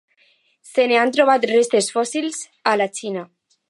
Se n'han trobat restes fòssils a la Xina.